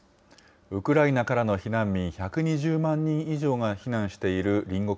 ウクライナからの避難民１２０万人以上が避難している隣国